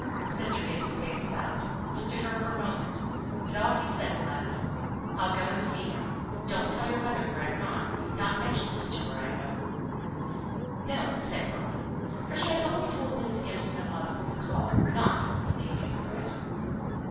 Mr. Gibson faced about, and looked at her for a moment; but all he said was "I'll go and see him; don't tell your mother where I'm gone: you've not mentioned this to her, I hope?" "No," said Molly, for she had only told Mrs. Gibson of Osborne's call, not of the occasion for it.